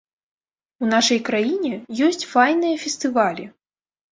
У нашай краіне ёсць файныя фестывалі!